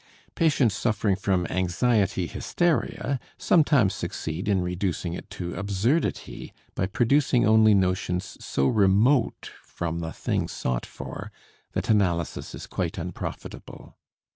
Patients suffering from anxiety hysteria sometimes succeed in reducing it to absurdity by producing only notions so remote from the thing sought for that analysis is quite unprofitable.